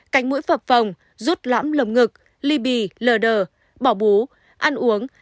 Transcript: cánh mũi phập phòng rút lõm lồng ngực ly bì lừa đừ bỏ bú ăn uống